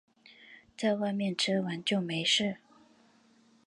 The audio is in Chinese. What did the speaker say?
在外面吃完就没事